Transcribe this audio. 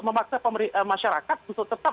memaksa masyarakat untuk tetap